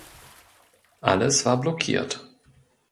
Alles war blockiert.